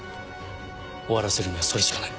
終わらせるにはそれしかない。